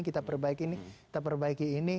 kita perbaiki ini